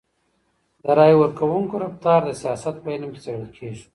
د رایي ورکوونکو رفتار د سیاست په علم کي څېړل کیږي.